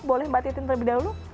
boleh mbak titin terlebih dahulu